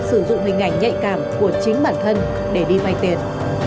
sử dụng hình ảnh nhạy cảm của chính bản thân để đi vay tiền